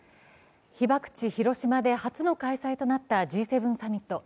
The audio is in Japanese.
被爆地・広島で初の開催となったＧ７サミット。